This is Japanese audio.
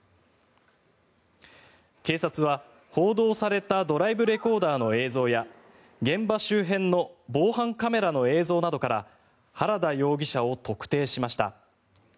警察は報道されたドライブレコーダーの映像や現場周辺の防犯カメラの映像などから原田容疑者を特定しました。